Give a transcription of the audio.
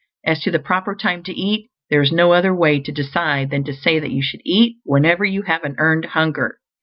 As to the proper time to eat, there is no other way to decide than to say that you should eat whenever you have an EARNED HUNGER.